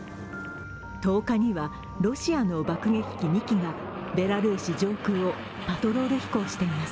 １０日には、ロシアの爆撃機２機がベラルーシ上空をパトロール飛行しています。